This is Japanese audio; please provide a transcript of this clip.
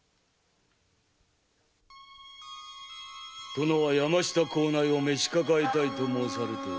殿は山下幸内を召し抱えたいと申されておる。